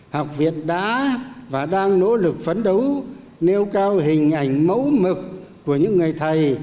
học việt đã và đang nỗ lực phấn đấu nêu cao hình ảnh mẫu mực của những người thầy